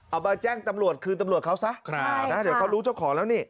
เอามาแจ้งตำรวจคืนตำรวจเขาซะนะเดี๋ยวเขารู้เจ้าของแล้วนี่